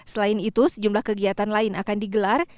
selain itu sejumlah kegiatan lain akan digelar